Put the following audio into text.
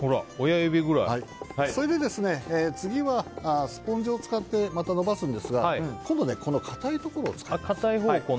次はスポンジを使ってまたのばすんですが今度は硬いところを使います。